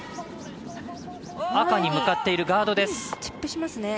赤に向かっているガードです。